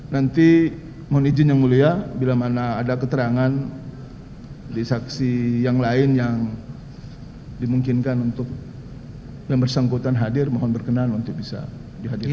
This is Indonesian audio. nanti mohon izin yang mulia bila mana ada keterangan di saksi yang lain yang dimungkinkan untuk yang bersangkutan hadir mohon berkenan untuk bisa dihadirkan